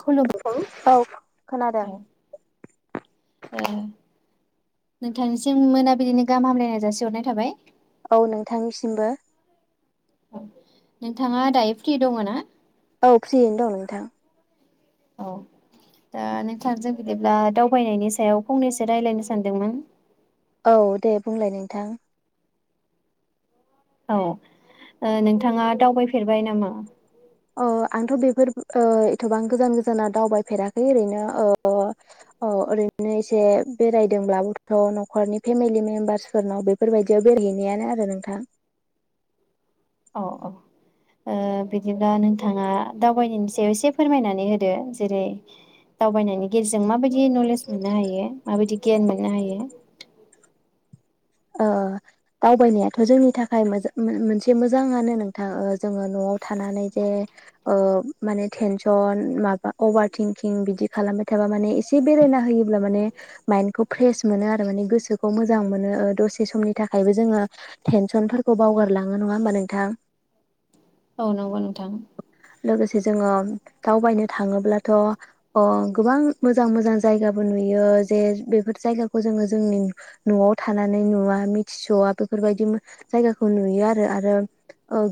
खुलुमबाय [unintelligible] औ खोनादों। ओ नोंथांनिसिम मोनाबिलिनि गाहाम हामलायनाय जासि हरनाय थाबाय। औ नोंथांनिसिमबो। नोंथाङा दायो फ्रि दङ ना। औ फ्रियैनो दं नोंथां। औ दा नोंथां जों बिदिब्ला दावबायनायनि सायाव फंनैसो रायलायनो सानदोंमोन। औ दे बुंलाय नोंथां। औ ओ नोंथाङा दावबायफेरबाय नामा। अ' आंथ' बेफोर एथ'बां गोजान गोजानाव दावबायफेराखै ओरैनो ओ ओरैनो एसे बेरायदोंब्लाबोथ' न'खरनि फेमिलि मेम्बार्सफोरनाव बेफोरबायदियाव बेरायहैनायानो आरो नोंथां। औ-औ ओ बिदिब्ला नोंथाङा दावबायनायनि सायाव एसे फोरमायनानै होदो जेरै- दावबायनायनि गेजजों माबायदि दि नलेज मोननो हायो माबायदि गियान मोननो हायो। ओ दावबायनायाथ' जोंनि थाखाय मोज मो मोनसे मोजाङानो नोंथां जोङो न'आव थानानै जे ओ माने टेनसन माबा अभार थिंकिं बिदि खालामबाय थाबा माने एसे बेरायना होयोब्ला माने माइन्डखौ फ्रेस मोनो आरो माने गोसोखौ मोजां मोनो ओ। दसे समनि थाखायबो जोङो टेनसनफोरखौ बावगारलाङो नङा होमबा नोंथां। औ नंगौ नोंथां। लोगोसे जोङो दावबायनो थाङोब्लाथ' गोबां मोजां मोजां जायगाबो नुयो जे बेफोर जायगाखौ जोङो जोंनि न'आव था नानै नुवा मिथिसआ बेफोरबायदि जायगाखौ नुयो आरो आरो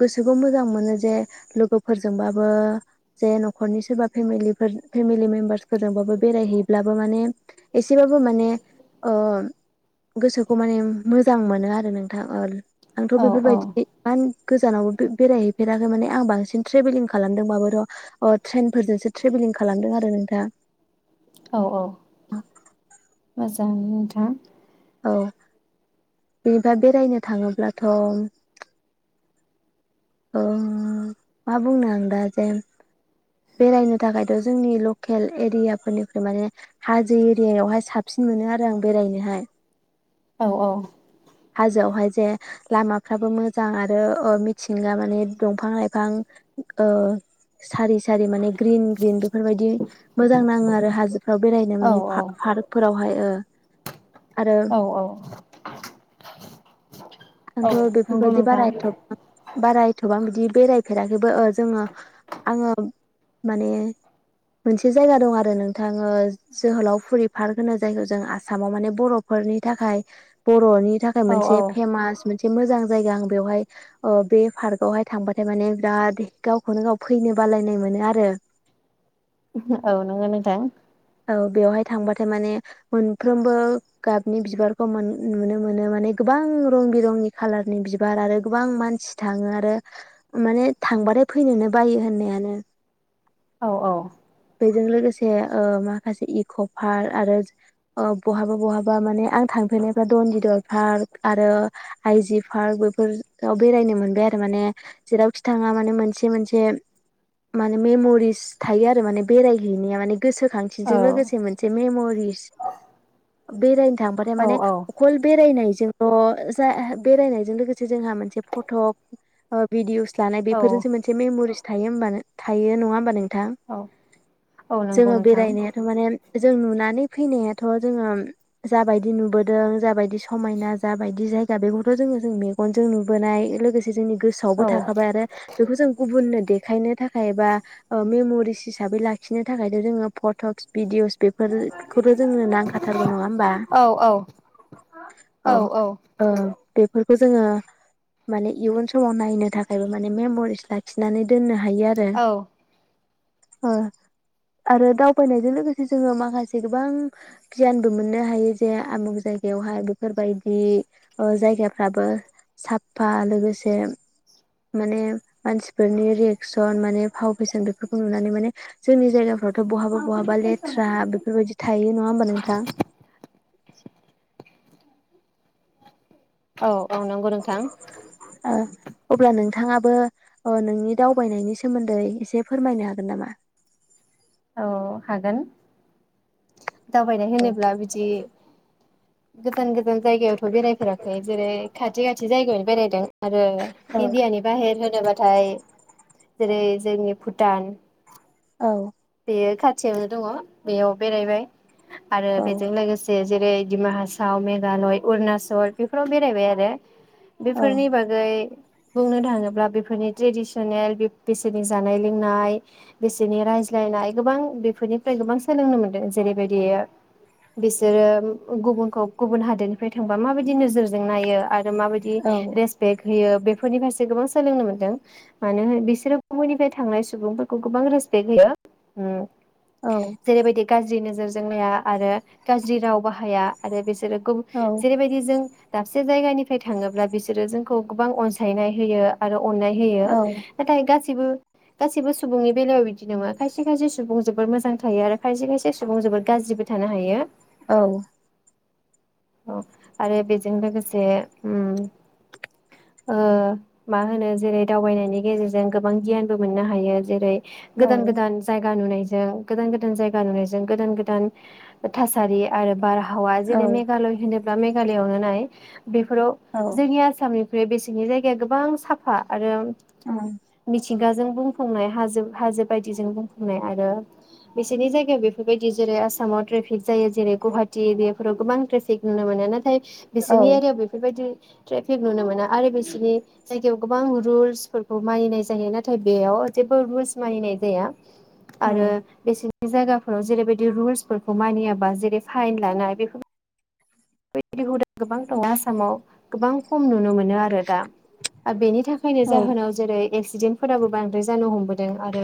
गोसोखौ मोजां मोनो जे लोगोफोरजोंबाबो जे न'खरनि सोरबा फेलिफोर फेमिलि मेम्बारसफोरजोंबाबो बेरायहैब्लाबो माने एसेबाबो माने ओ। गोसोखौ माने मोजां मोनो आरो नोंथां ओ। आंथ' औ औ बेफोरबायदि इमान। गोजानावबो बे-बेरायहैफेराखै माने आं बांसिन ट्रेभेलिं खालामदोंबाबो र' अ ट्रेनफोरजोंसो ट्रेभेलिं खालामदों आरो नोंथां। औ-औ। मोजाङानो नोंथां। औ बिनिबा बेरायनो थाङोब्लाथ'। ओ मा बुंनो आं दा जे बेरायनो थाखायथ' जोंनि लकेल एरियाफोरनिफ्राय माने हाजो एरियायावहाय साबसिन मोनो आरो आं बेरायनोहाय। औ औ। हाजोआवहाय जे लामाफ्राबो मोजां आरो ओ मिथिंगा माने दंफां-लाइफां ओ सारि-सारि माने ग्रिन-ग्रिन बेफोरबायदि मोजां नाङो आरो हाजो। [unintelligible] बेरायनो औ माने औ पा-पार्कफोरावहाय ओ। आरो औ औ। औ आंथ' नंगौ बेफोरबायदि नोंथां बारा एथ' [inaudible] एथबां बिदि बेरायफेराखैबो ओ जोङो आङो माने मोनसे जायगा दं आरो नोंथाङो जोहोलावफुरि पार्क होनो जायखौ जों आसामाव माने बर'फोरनि थाखाय बर'नि। थाखाय औ मोनसे औ फेमास मोनसे। एसे मोजां जायगा आं बेवहाय बे पार्क आावहाय थांबाथाय माने बिराद गावखौनो गाव फैनो बालायनाय मोनो आरो। औ नोंगौ नोंथां। थांबथाय माने मोनफ्रोमबो गाबनि बिबारखौ मोनो माने गोबां रं बिरंनि खालारनि बिबार आरो गोबां मानसि थाङो आरो माने थांबथाय फैनोनो बायो होननायानो। औ औ। बेजों लोगोसे ओ माखासे इक' पार्क आरो बहाबा-बहाबा माने आं थांफेरनायफ्रा दनदिद ल पार्क आरो आइजि पार्क बेफोराव बेरायनो मोनबाय आरो माने जेरावखि थाङा माने मोनसे मोनसे माने मेमरिस थायो आरो माने बेरायहैनाया माने। औ गोसोखांथिजों लोगोसे मोनसे मेम'रि। बेरायनो थांबाथाय औ माने अकल बेरायनायजोंल' जाया बेरायनायजों लोगोसे जोंहा मोनसे फट' भिदिअस लानाय औ बेफोरनिससे मोनसे मेम'रिस थायो होनोमबानो थायो नङा होनोमबा नों नोंथां औ औ नंगौ जोङो नोंथां बेरायनायाथ' माने जों नुनानै फैनायाथ' जोङो जाबायदि नुबोदों जाबायदि समायना जाबायदि जायगा बेखौथ' जोङो जों मेगनजों नुबोनाय लोगोसे जोंनि औ गोसोआवबो थाखाबाय आरो बेखौ जों गुबुननो देखायनो थाखाय बा मेम'रिस हिसाबै लाखिनो थाखायथ' जोङो फटक्स भिडिअस बेफोरखौथ' जोंनो नांखाथारगौ नङा होमबा औ औ ओ बेफोरखौ जोङो माने इयुन समाव नायनो थाखायबो माने मेम'रिस लाखिनानै दोननो हायो आरो ओ आरो दावबायनायजों लोगोसे जोङो माखासे गोबां गियानबो मोननो हायो जे आमुग जायगायावहाय बेफोरबायदि जायगाफ्राबो साफा लोगोसे माने मानसिफोरनि रि सन माने फावफेसन बेफोरखौ नुनानै माने जोंनि जायगाफोर थ' बहाबा बहाबा लेथ्रा बेफोरबायदि थायो नङा होमबा नोंथां औ औ नंगौ नोंथां ओ। अब्ला नोंथाङाबो ओ नोंनि दावबायनायनि सोमोन्दै एसे फोरमायनो हागोन नामा? औ हागोन। दावबायनाय औ होनोब्ला बिदि गोजान गो जान जायगायावथ' बेरायफेराखै, जेरै खाथि खाथि जायगायावनो बेरायदों आरो औ इण्डियानि बाहेर होनोबाथाय जेरै जोंनि भुटान। औ। बेयो खाथियावनो दङ, बेयाव बेरायबाय। आरो बेजों लोगोसे जेरै दिमाहासाव मेघालय उरनासल बेफोराव बेरायबाय आरो। औ बेफोरनि बागै बुंनो थाङोब्ला बेफोरनि ट्रेडिसनेल बि-बिसोरनि जानाय लोंनाय बिसोरनि रायज्लाय ज्लायनाय गोबां बेफोरनिफ्राय गोबां सोलोंनो मोन्दों। जेरैबायदि बिसोरो गुबुनखौ गुबुन हादोदनिफ्राय थांबा माबायदि नोजोरजों नायो आरो रो माबायदि औ रेसपेक होयो बेफोरनि फारसे गोबां सोलोंनो मोन्दों। मानो होन बिसोरो गुबुननिफ्राय थांनाय सुबुंफोरखौ गोबां रेसपेक्ट होयो। [inaudible] औ जेरैबायदि गाज्रि नोजोर जों नाया आरो गाज्रि राव बाहाया आरो बे सोरो गु औ जेरैबायदि जों दाबसे जायगानिफ्राय थाङोब्ला बिसोरो जोंखौ गोबां अनसायनाय होयो आरो अननाय होयो। नाथाय गास सिबो गासिबो सुबुंनि बेलायाव बिदि नङा। खायसे खायसे सुबुं जोबोर मोजां थायो आरो खायसे खायसे सुबुं जोबोर गाज्रिबो थानो हायो। औ। औ आरो बेजों लोगोसे उम ओ मा होनो जेरै दावबायनायनि गेजेरजों गोबां गियानबो मोननो हायो। जेरै गोदान औ। गोदान जायगा नुनायजों गोदान गोदान जायगा नुनायजों गोदान गोदान थासारि आरो बार हावा औ जेरै मेगालय होनो बा मेघालयावनो नाय बेफोराव औ जोंनि आसामनि बे-बेसिनि जायगाया गोबां साफा आरो [inaudible] थिंगाजों बुंफंनाय हाजो हाजो बाय दिजों बुंफबनाय आरो बिसोरनि जायगायाव बेफोरबायदि जेरै आसामाव ट्रेफिक जायो जेरै गुहाटि एरियाफोराव गोबां ट्रेफिक नुनो मोनो। नाथाय बिसिनि औ एरियायाव बेफोरबायदि ट्रेफिक नुनो मोना आरो बिसोरनि जायगायाव गोबां रुलसफोरखौ मानिनाय जायो नाथाय बेयाव जेबो रुल्स मानिनाय जाया आरो बेसे जायगाफोराव जेरैबायदि रुल्सफोरखौ मानियाबा जेरै फाइन लानाय बेफोर बेदि हुदा गोबां दं आसामाव गोबां खम नुनो मोनो मोनो आरो दा बेनि थाखायनो जाहोनाव जेरै एक्सिडेन्टफोराबो बांद्राय जानो हमबोदों आरो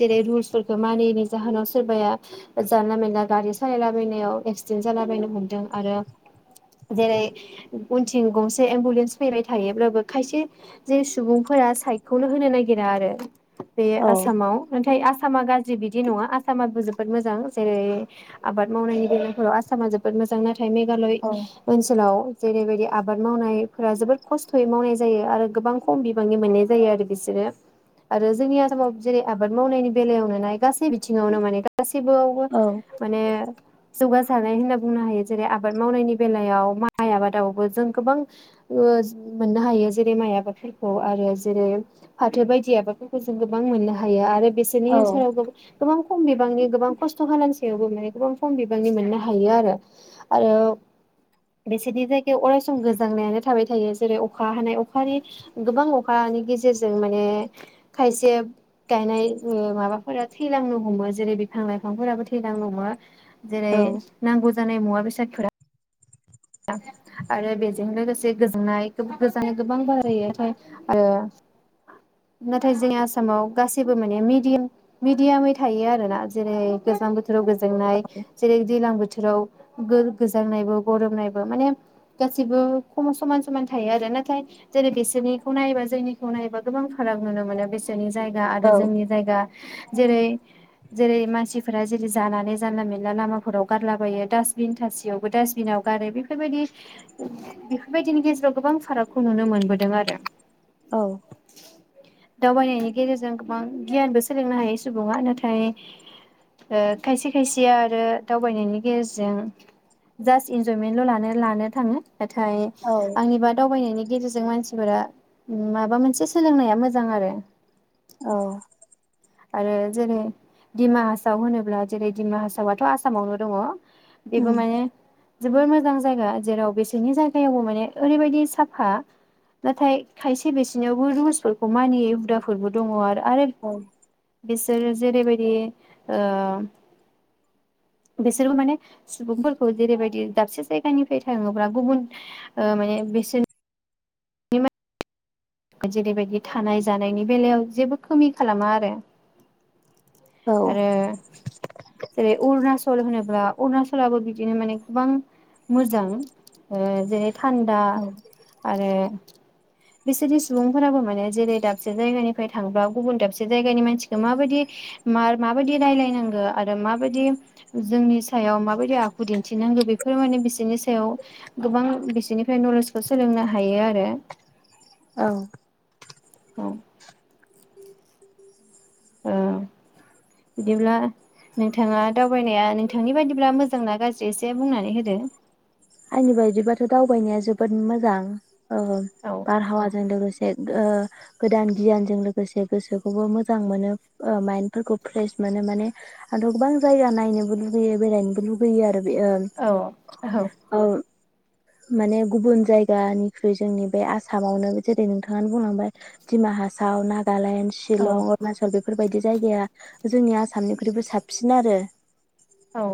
जेरै रुल्सफोर मानिनि जाहोनाव सोरबाया जानला मानला गारि सालायलाबायनायाव एक्सिडेन्ट जालाबायनो हमदों आरो जेरै उनथिं गंसे एम्बुलेन्स फैबाय थायोब्लाबो खायसे जे सुबुंफोरा साइखौ'नो होनो नागिरा आरो बे आसामाव नाथाय आसामा गाज्रि बिदि नङा आसामाबो जोबोद मोजां जेरै आबाद मावनायनि बेलाफोराव आसामा जोबोद मोजां नाथाय मेघालय ओनसोलाव जेरैबायदि आबाद मावनायफोरा जोबोद खस्थ'यै मावनाय जायो आरो गोबां खम बिबांनि मोननाय जायो आरो बिसोरो आरो जोंनि आसामाव जेरै आबाद मावनायनि बेलायावनो नाय गासै बिथिङावनो माने गासिबोआवबो माने जौगासानाय होनना बुंनो हायो जेरै आबाद मावनायनि बेलायाव माइ आबादावबो जों गोबां ओ मोननो हायो जेरै माइ आबादफोरखौ आरो जेरै फाथो बायदि आबादफोरखौ जों गोबां मोननो हायो हायो आरो बिसोरनि ओनसोलाव गोब गोबां खम बिबांनि गोबां खस्थ हांनांसि थवबो माने गोबां सम बिबांनि मोननो हायो आरो आरो बिसोरनि जायगायाव अरायसम गोजांनायानो थाबाय थायो जेरै अखा हानाय अखानि गोबां अखानि गेजेरजों माने खायसे गायनाय ओ माबाफोरा थैलांनो हमो जेरै बिफां लाइफांफोराबो थैलांनो हमो जेरै नांगौ जानाय मुवा बेसादफोरा आरो बेजों लोगोसे गोजोननाय गोजां गोबां बारायोथाय आरो नाथाय जोंनि आसामाव गासैबो मानेय मिडिम मिडियामै थायो आरोना जेरै गोजां बोथोर थोराव गोजोननाय जेरै दैजलां बोथो फोराव गो-गोजांनायबो गरमनाय बो माने गासिबो खम समान समान थायो आरो नाथाय जेरै बेसोरनिखौ नायोबा जोंनिखौ नायोबा गोबां फाराग नुनो मोनो बिसोरनि जायगा आरो जोंनि जायगा जेरै जेरै मानसिफोरा जेरै जानानै जानला मला लामाफोराव गारलाबायो डास्टबिन थाासयावबो डास्टबिनाव गारै फोरबायदि बेफोरबायदिनि गेजेराव गोबां फारागखौ नुनो मोनबोदों आरो दावबायनायनि गेजेरजों गोबां गियानबो सोलोंनो हायो सुबुङा नाथाय ओ खायसे खायसेया आरो दावबायनायनि गेजेरजों जास्ट इन्जयमेन्टल ला नो लानो थाङो नाथाय आंनिबा दावबायनायनि गेजेरजों मानसिफोरा माबा मोनसे सोलोंनाया मोजां आरो औ आरो जेरै दिडिमा हासाव होनोब्ला जेरै दिडिमा हासावथ आसामावनो दङ बेबो माने जोबोर मोजां जायगा जेराव बेसोरनि जायगायावबो माने ओरैबायाददि साफा नाथाय खायसे बेसेनिवखबो रुमलसफोरखौ मानियै हुदाफोरबो दङ आरो आरो बिसोरो जेरैबायदि ओ बिसोरबो माने सुबुंफोरखौ जेरैबायदि दाबसे जायगानिफ्राय थाङोब्ला गुबुन ओ माने बिसोरनि बिमाय जेरैबायदि थानाय जानायनि बेलायाव जेबो खोमि खालामा आरो आरो जेरै अरुनाचल होनोब्ला अरुणचलाबो बि दिनो माने गोबां मोजां ओ जेरै थान्दा आरो बिसोरनि सुबुंफोराबो माने जेरै दाबसे जायगानिफ्राय थांबा गुबुन दाबसे जायगानि मानसिखौ माबायदि आर माबायदि रायजलायनांगौ आरो माबायदि जोंनि सायाव माबायदि आखु दिन्थिनांगौ बेफोरो माने बिसोरनि सायाव गोबां बिसोरनिफ्राय नलेजखौ सोलोंनो हायो आरो औ औ [inaudible] ओ बिदिब्ला नोंथाङा दाव बायनाया नोंथांनि बायदिब्ला मोजांना गाज्रि जे बुंनानै होदो आंनि बायदिबाथ दावबायनाया जोबोद मोजां औ औ बारहावाजों लोगोस ओ गोदान गियानजों लोगोसे गोसोखौबो मोजां मोनो माइन्द फोरफोरखौ फ्रेश मोनो माने आंथ' गोबां जायगा नायनोबो लुगैयो बेरायनोबो लुगैयो आरो औ औ बु माने गुबुन जायगानिख्रुइ जोंनि बे आसामावनो जेरै नोंथाङानो बुंलांबाय डिमा हासाव नाग नालेण्ड औ शिलं अरुणाचल बेफोरबायदि जायगाया जोंनि आसामनिख्रुइबो साबसिन आरो औ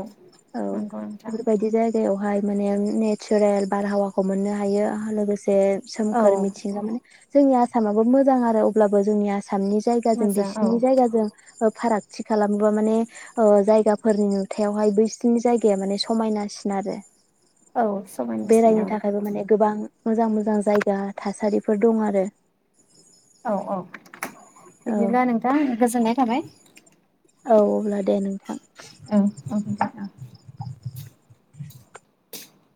औ नंगौ नोंथां बेफोरबायदि जायगायावहाय माने ने नेचारेल बारहावाखौ मोननो हायो लोगोसे औ सोमखोर मिथिंगा माने जोंनि आसामाबो मोजां आरो अब्लाबो जोंनि आसाम आसामनि जायगाजों मोजां औ बिसिनि जायगाजों ओ फारागथि खालामोबा माने ओ जायगाफोरनि नुथायावहाय बैसिनि जायगाया माने समायनासिन आरो औ समायनासिन बेरायनो थाखायबो माने गोबां मोजां मोजां जायगा थासारिफोर दं आरो औ औ औ बिदिब्ला नोंथां गोजोननाय थाबाय औ अब्ला दे नोंथां औ औ नोंथां औ